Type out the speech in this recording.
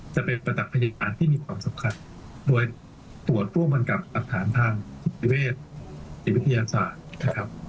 จะเป็นประตักพิจารณ์ที่มีความสำคัญโดยตรวจร่วมบันกลับอัตฐานทางสิทธิเวทย์สิทธิวิทยาศาสตร์นะครับ